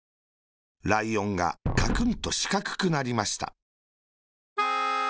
ライオンがカクンとしかくくなりました。